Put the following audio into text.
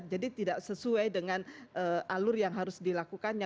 jadi tidak sesuai dengan alur yang harus dilakukannya